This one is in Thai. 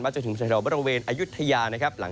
มาจากถึงกระแสบบรวงเวรอายุทธยา